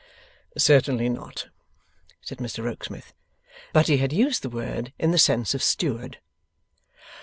Certainly not, said Mr Rokesmith. But he had used the word in the sense of Steward.